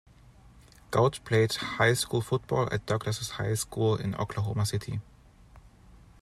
Gautt played high school football at Douglass High School in Oklahoma City.